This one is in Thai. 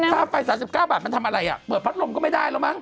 ค่าไฟ๓๙บาทมันทำอะไรเปิดพัดลมก็ไม่ได้แล้วมั้ง